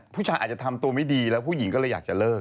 ผู้ชายอาจจะทำตัวไม่ดีแล้วผู้หญิงก็เลยอยากจะเลิก